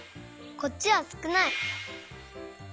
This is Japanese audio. こっちはすくない！